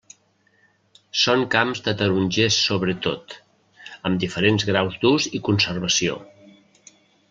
Són camps de tarongers sobretot, amb diferents graus d'ús i conservació.